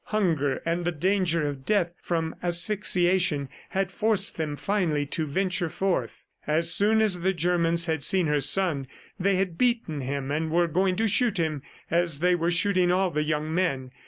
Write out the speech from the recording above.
Hunger and the danger of death from asphyxiation had forced them finally to venture forth. As soon as the Germans had seen her son, they had beaten him and were going to shoot him as they were shooting all the young men.